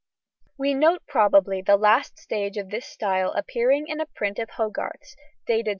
We note probably the last stage of this style appearing in a print of Hogarth's, dated 1740.